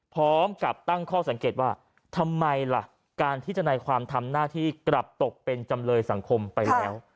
พร้อมกับตั้งข้อสังเกตว่าทำไมล่ะการที่ทนายความทำหน้าที่กลับตกเป็นจำเลยสังคมไปแล้ว